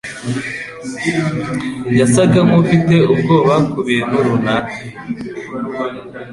yasaga nkufite ubwoba kubintu runaka.